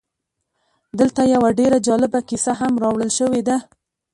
دلته یوه ډېره جالبه کیسه هم راوړل شوې ده